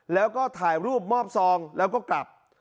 แล้วก็ถ่ายรูปมอบซองแล้วก็กลับ